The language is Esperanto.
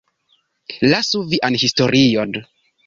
Lasu vian historion!